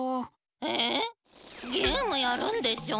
えっゲームやるんでしょ？